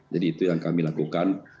jadi itu yang kami lakukan